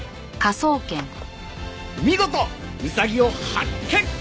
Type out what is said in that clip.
見事ウサギを発見！